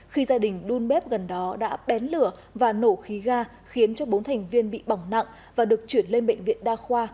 khi gia đình đun bếp gần đó đã bén lửa và nổ khí ga khiến bốn thành viên bị bỏng nặng và được chuyển lên bệnh viện đa khoa